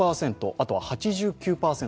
あとは８９％